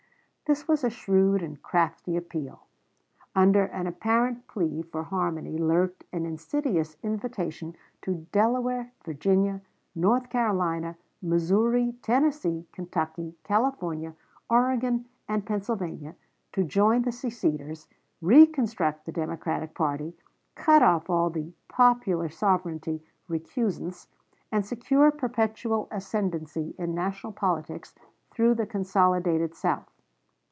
This was a shrewd and crafty appeal. Under an apparent plea for harmony lurked an insidious invitation to Delaware, Virginia, North Carolina, Missouri, Tennessee, Kentucky, California, Oregon, and Pennsylvania to join the seceders, reconstruct the Democratic party, cut off all the "popular sovereignty" recusants, and secure perpetual ascendency in national politics through the consolidated South.